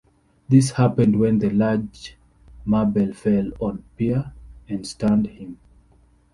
This happened when the large Mabel fell on Pierre and stunned him.